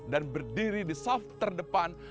dan berdiri di sof terdepan